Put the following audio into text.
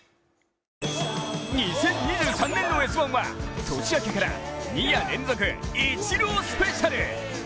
２０２３年の「Ｓ☆１」は年明けから２夜連続イチロースペシャル！